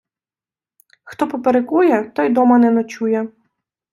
хто поперекує, той дома не ночує